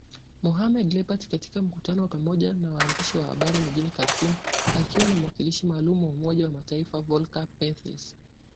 Mohamed Lebatt katika mkutano wa pamoja na waandishi wa habari mjini Khartoum akiwa na mwakilishi maalum wa Umoja wa Mataifa, Volker Perthes